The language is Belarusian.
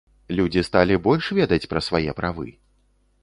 Людзі сталі больш ведаць пра свае правы?